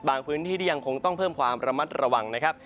พื้นที่ที่ยังคงต้องเพิ่มความระมัดระวังนะครับ